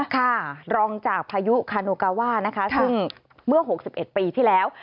ค่ะรองจากพายุคาโนกาว่านะคะซึ่งเมื่อ๖๑ปีที่แล้ว